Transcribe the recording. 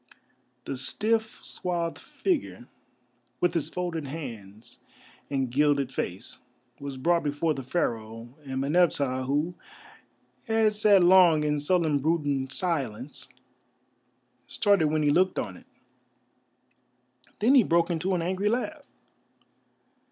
The stiff, swathed figure, with its folded hands and gilded face, was brought before the Pharaoh, and Meneptah, who had sat long in sullen brooding silence, started when he looked on it. Then he broke into an angry laugh.